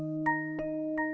ini mbak mbak ketinggalan